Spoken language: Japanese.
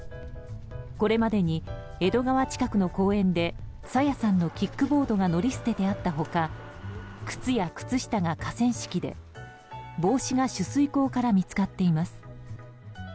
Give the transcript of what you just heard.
これまでに江戸川近くの公園で朝芽さんのキックボードが乗り捨ててあった他靴や靴下が河川敷で帽子が取水口から見つかっています。